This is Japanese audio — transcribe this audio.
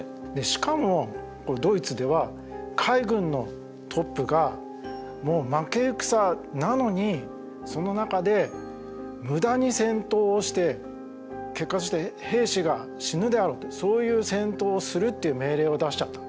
しかもドイツでは海軍のトップがもう負け戦なのにその中で無駄に戦闘をして結果として兵士が死ぬであろうってそういう戦闘をするっていう命令を出しちゃった。